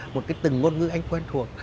một cái từng ngôn ngữ anh quen thuộc